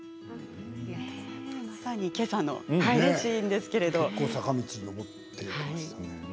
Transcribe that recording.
けさのシーンですけれど。